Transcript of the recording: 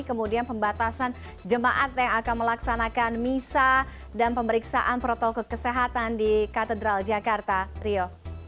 kemudian pembatasan jemaat yang akan melaksanakan misa dan pemeriksaan protokol kesehatan di katedral jakarta rio